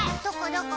どこ？